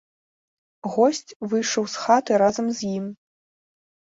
Госць выйшаў з хаты разам з ім.